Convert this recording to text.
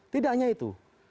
tidak hanya itu